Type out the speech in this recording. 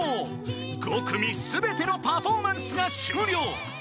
［５組全てのパフォーマンスが終了］